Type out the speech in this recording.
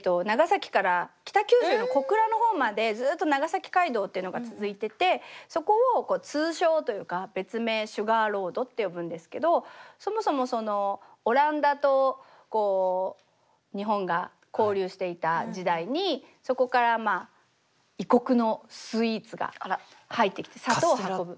長崎から北九州の小倉の方までずっと長崎街道っていうのが続いててそこを通称というか別名シュガーロードって呼ぶんですけどそもそもそのオランダとこう日本が交流していた時代にそこからまあ異国のスイーツが入ってきて砂糖を運ぶ。